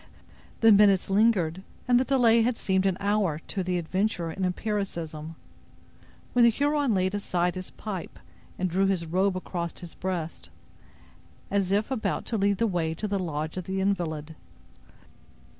The minutes lingered, and the delay had seemed an hour to the adventurer in empiricism, when the Huron laid aside his pipe and drew his robe across his breast, as if about to lead the way to the lodge of the invalid.